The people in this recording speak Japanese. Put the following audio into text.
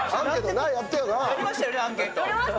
やりましたよね、アンケート。